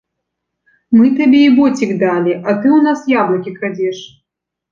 Мы табе і боцік далі, а ты ў нас яблыкі крадзеш!